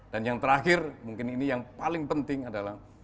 dan yang terakhir mungkin ini yang paling penting adalah